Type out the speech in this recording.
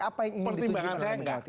apa yang ingin ditujukan oleh megawati